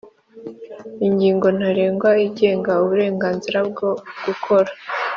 ingingo ntarengwa igenga uburenganzira bwo gukora